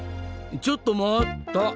ちょっと待った！